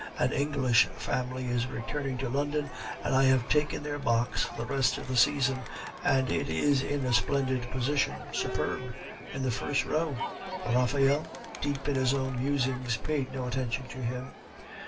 An English family is returning to London, and I have taken their box for the rest of the season, and it is in a splendid position superb; in the first row." Raphael, deep in his own deep musings, paid no attention to him.